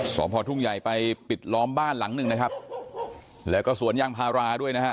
สอบพอทุ่งใหญ่ไปปิดล้อมบ้านหลังหนึ่งนะครับแล้วก็สวนยางพาราด้วยนะฮะ